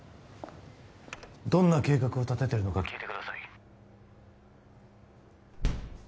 どんな計画を立ててるのか聞いてください